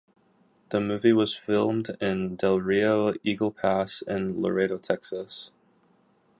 The movie was filmed in Del Rio, Eagle Pass and Laredo, Texas.